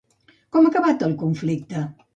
Com ha acabat el conflicte?